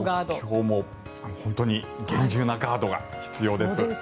今日も本当に厳重なガードが必要です。